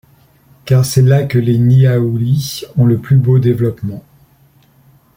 Car c'est là que les niaoulis ont le plus beau développement.